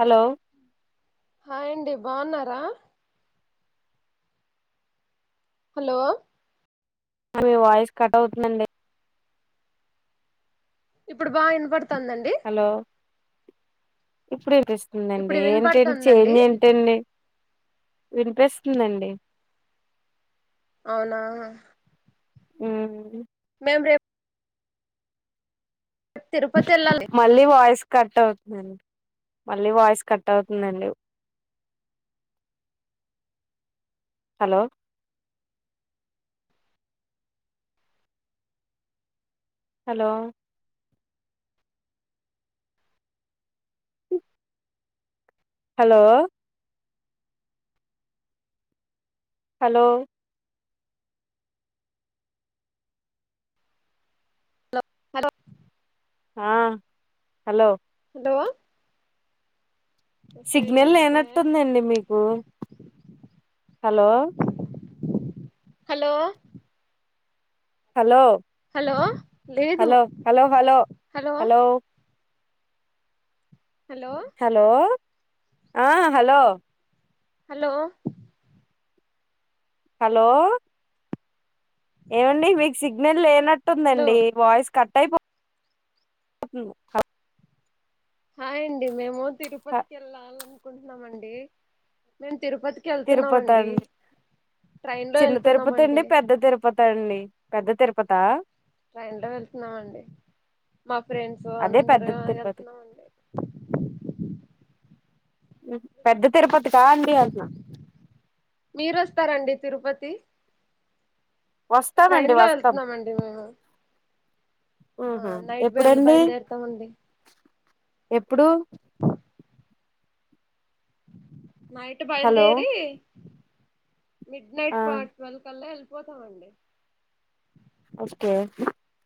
Hello హాయండి బాగున్నారా hello మీ వాయిస్ కట్ అవుతుందండి ఇప్పుడు బా ఇన పడుతు తందండి హలో ఇప్పుడు అనిపిస్తుందిండి ఇప్పుడు ఏంటండి వినపడుతుందండి చేంజ్ ఏంటండి వినిపిస్తుందండి అవునా మ్మ్ మేమ్ రేప్ తిరుపతి వెళ్ళాలి మళ్ళీ వాయిస్ కట్ అవుతుందండి మళ్ళీ వాయిస్ కట్ అవుతుందండి hello hello hello hello hello ఆ హలో హలో సిగ్నల్ అంటే లేనట్టుందండి మీకు హలో హలో హలో హలో లేదు hello hello hello hello hello hello ఆ హలో హలో హలో ఏమండి మీకు సిగ్నల్ హలో లేనట్టుందండి వాయిస్ కట్టయిపో [inaudible] హాయ్ అండి మేము తిరుపతికెల్లాలన్ కుంటున్నామండి మేమ్ తిరుపతి అండి ట్రైన్ లో చిన్న తిరుపతి వెళ్తున్నామండి అండి పెద్ద తిరుపతి అండి పెద్ద తిరుపత ట్రైన్ లో వెళ్తున్నామండి మా ఫ్రెండ్స్ అదే పెద్ద అందరుూ తిరుపతి వెళ్తున్నామండి పెద్ద తిరుపతి కా అండి అంటలు మీరు వస్తారండి తిరుపతి వస్తామండి ట్రైన్ లో వస్తాం వెళ్తున్నామండి మేము ఆ ఆహా నైట్ బయల్ ఎప్పుడంండి బయలుదేరుతామండి ఎప్పుడు నైట్ హలో బయల్దేరి మిడ్ ఆ నైట్ మట్వల్క్ అ పోతామండి ఓకే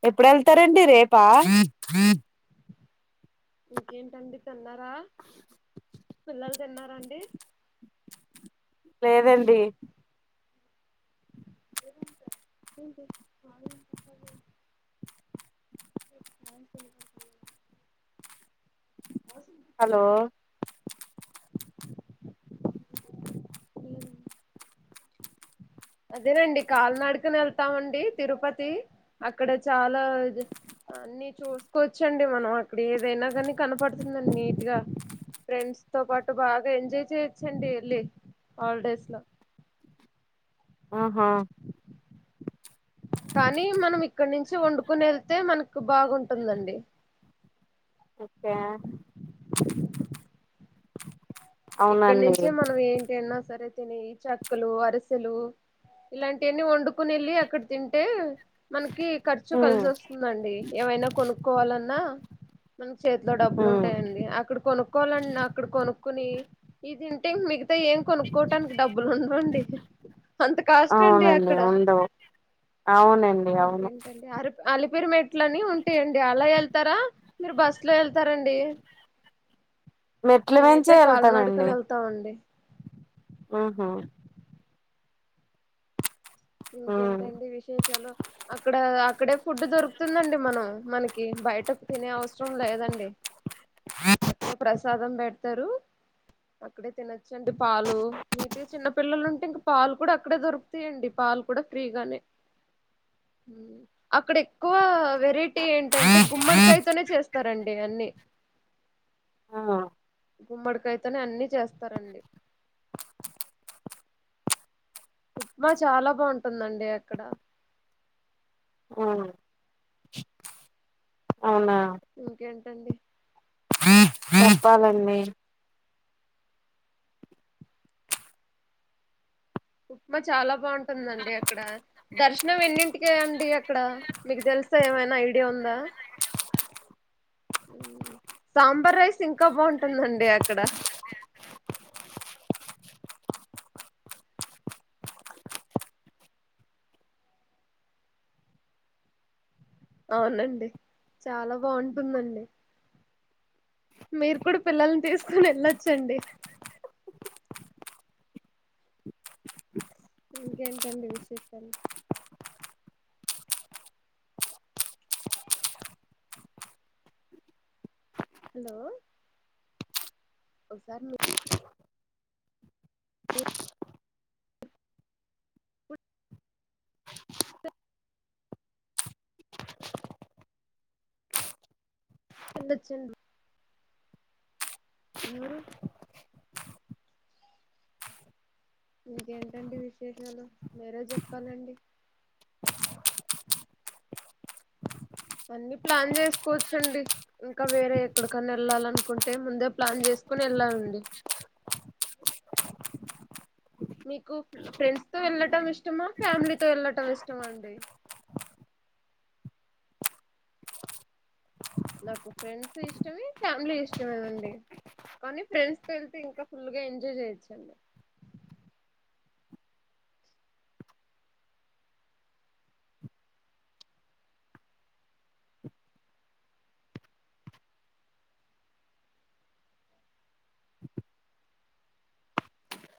ఎప్పుడు వెళ్తారండి రేపా ఇంకేంటండి తిన్నారా పిల్లలు తిన్నండి లేదండి ట కాల వస హలో దంట అదేనండి కాలనాడుకుని వెళ్తామండి తిరుపతి అక్కడ చాలా ని చూసుకోవచ్చండి మనం అక్కడ ఏదైనా కానీ కనపడుతుందండి నీట్ గా ఫ్రెండ్స్ తో పాటు బాగా ఎంజాయ్ చేయొచ్చండి వెళ్ళి హాలిడేస్ లో ఆహా కానీ మనం ఇక్కడ నుంచి వండుకుని వెళ్తే మనకు బాగుంటుందండి ఓకే ఇక్కడ అవునండి నుంచే మనం ఏంటి అన్నా సరే తిిన చెక్కలు అరిసెలు ఇలాంటివన్న వండుకు క్కని వెళ్ళి అక్కడ తింటే మనకి ఖర్చు ఉమ్, కలిసి వస్తుందండి ఏవైనా కొనుక్కోవాలన్నా మన్ చేతిలో డబ్బులు ఉమ్. ఉంటాయండి అక్కడ కొను కొనుక్కవాలండి నా అక్కడ కొనుక్క్కొని ఇదింత తింగ్ మి అయితే ఏం కొనుక్కోవటానికి డబ్బులు ఉండండి అంత కాష్టట్ అండి అవునండి అక్కడ ఉండవు అవునండి అవును ఇంకేంటండి అరి అలిపిరి మట్ల అని ఉంటాయండి అలా వె మీరు బస్ లో వెళ్త సరెండి మెట్ల మించే మేమైతే కాలి న ఆ ఆండీ అహో ఉమ్. ఇంకేంటండి విశేషాలు అక్కడ అక్కడే ఫుడ్ దొరుకుతుందండి మనం మనకి బయటకు తినే అవస్ రాం లేదండి అక్కడే ప్రస్ ప్రసాదం పెడతారు అక్కడే తినచ్చండి పాలు నీట్గా చిన్న పిల్లలు ఉంటే ఇంకా పాలు కూడా అక్కడే దొరుకుతాయండి పాల్ కూడా ఫ్రీగానే ఉ అక్కడ ఎక్కువ వెరైటీ ఏంటన్ గుమ్మడి కాయతోనే చే స్తారండి అన్ని ఆ గుమ్మడికాయితోనే అన్ని చేస్తారండి ఉప్మా చాలా బాగుంటుందండి అక్కడ ఉమ్. అవునా టండీ చెప్పాలండి ఉప్మా చాలా బాగుంటుందండి అక్కడ దర్శనం ఎన్నింటికే అండి అక్కడ మీకు తెలుసా ఏమైనా ఐడియా ఉందా ఉ సాంబార్ రైస్ ఇంకా బాగుంటుందండి అక్కడ అవునండి చాలా బాగుంటుందండి మీరు కూడా పిల్లల్ని తీసుకొని వెళ్ళొచ్చండి ఇంకేంటండి విశేషాలు హలో ఒకసార్ మీ చెన్న చన్ ఎవరు ఇంకేంటండి విశేషాలు మీరే చెప్పాలండి అన్ని ప్లాన్ చేసుకోవచ్చండి ఇంకా వేరే ఎక్కడికన్నా వెళ్ళాలి అనుకుంటే ముందే ప్లాన్ చేసుకొని వెళ్ళాలండి మీకు ఫ్రెండ్స్తో వెళ్ళటం ఇష్టమా ఫ్యామిలీతో వెళ్ళటం ఇష్టమా అండి నాకు ఫ్రెండ్స్ ఇష్టమే ఫ్యామిలీ ఇష్టమే అండి కానీ ఫ్రెండ్స్ తో వెళ్తే ఇంకా ఫుల్గా ఎంజాయ్ చేయొచ్చండి